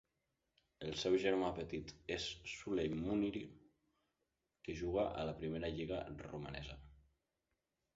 El seu germà petit és Sulley Muniru, que juga a la primera lliga romanesa.